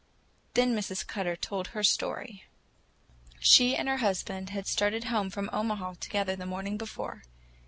Then Mrs. Cutter told her story. She and her husband had started home from Omaha together the morning before.